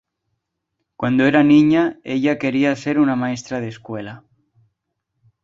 Cuando era niña, ella quería ser una maestra de escuela.